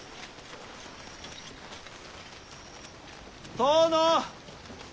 殿。